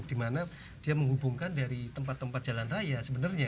dimana dia menghubungkan dari tempat tempat jalan raya sebenarnya